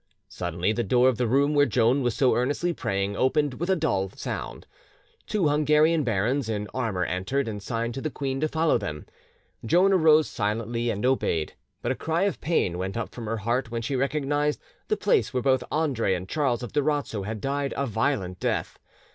Suddenly the door of the room where Joan was so earnestly praying opened with a dull sound: two Hungarian barons in armour entered and signed to the queen to follow them. Joan arose silently and obeyed; but a cry of pain went up from her heart when she recognised the place where both Andre and Charles of Durazzo had died a violent death.